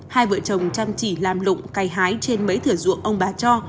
hai vợ chồng chăm chỉ làm lụng cay hái trên mấy thửa ruộng ông bà cho